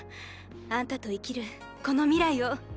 あんたと生きるこの未来を。